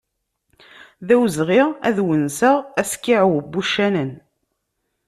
D awezɣi ad wenseɣ askiɛew n wucanen.